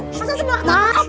masa sebenernya aku takut